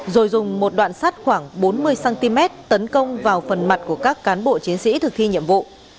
rồi dùng một đoạn sắt khoảng bốn mươi cm tấn công vào phần mặt của các cán bộ chiến sĩ thực thi nhiệm vụ